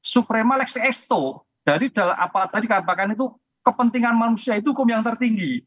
suprema lex esto dari apa tadi kata pak kani itu kepentingan manusia itu hukum yang tertinggi